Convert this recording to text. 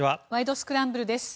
スクランブル」です。